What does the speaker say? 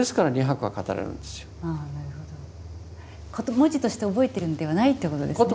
文字として覚えてるんではないということですね。